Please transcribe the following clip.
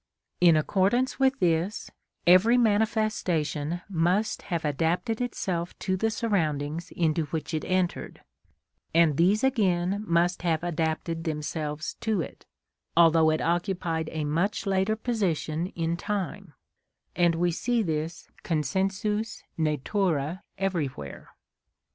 In accordance with this, every manifestation must have adapted itself to the surroundings into which it entered, and these again must have adapted themselves to it, although it occupied a much later position in time; and we see this consensus naturæ everywhere.